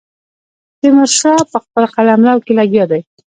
تیمور شاه په خپل قلمرو کې لګیا دی.